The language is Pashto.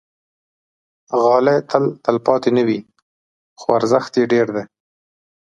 غالۍ تل تلپاتې نه وي، خو ارزښت یې ډېر وي.